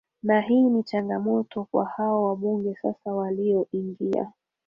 na hii ni changamoto kwa hao wabunge sasa walioingia